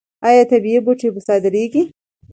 آیا طبیعي بوټي صادریږي؟